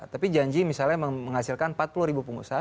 tapi janji misalnya menghasilkan empat puluh ribu pengusaha